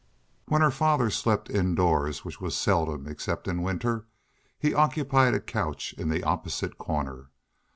When her father slept indoors, which was seldom except in winter, he occupied a couch in the opposite corner.